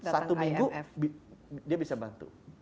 satu minggu dia bisa bantu